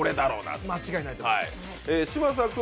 間違いないと思います。